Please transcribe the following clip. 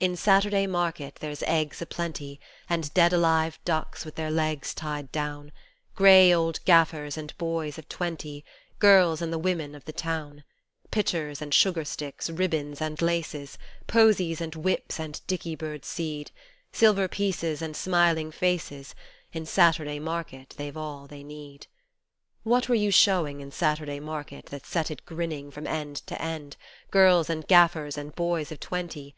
In Saturday Market there's eggs a 'plenty And dead alive ducks with their legs tied down, Grey old gaffers and boys of twenty Girls and the women of the town Pitchers and sugar sticks, ribbons and laces, Posies and whips and dicky birds' seed, Silver pieces and smiling faces, In Saturday Market they've all they need. What were you showing in Saturday Market That set it grinning from end to end Girls and gaffers and boys of twenty